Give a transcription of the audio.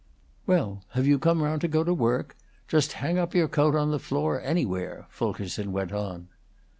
"Well, have you come round to go to work? Just hang up your coat on the floor anywhere," Fulkerson went on.